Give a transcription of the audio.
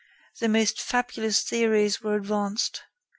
The most fabulous theories were advanced.